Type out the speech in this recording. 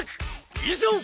以上！